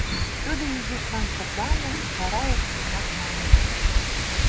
Тудо изишлан шыпланыш, вара эркынрак мане: